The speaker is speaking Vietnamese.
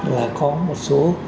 là có một số